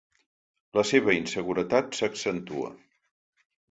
La seva inseguretat s'accentua.